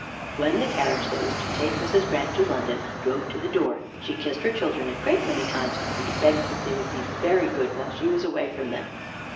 When the carriage that was to take Mrs. Grant to London drove to the door, she kissed her children a great many times, and begged that they would be very good while she was away from them.